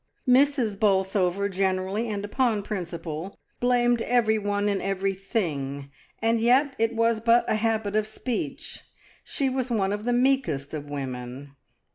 Mrs. Bolsover generally, and upon principle, blamed everyone and everything, and yet it was but a habit of speech; she was one of the meekest of women.